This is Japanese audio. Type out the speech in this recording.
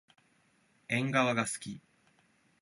えんがわがすき。